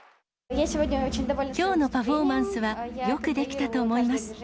きょうのパフォーマンスはよくできたと思います。